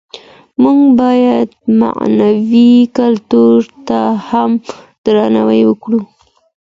موږ بايد معنوي کلتور ته هم درناوی وکړو.